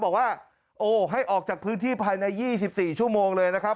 บอกว่าโอ้ให้ออกจากพื้นที่ภายใน๒๔ชั่วโมงเลยนะครับ